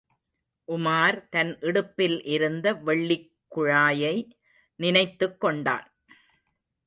உமார் தன் இடுப்பில் இருந்த வெள்ளிக் குழாயை நினைத்துக் கொண்டான்.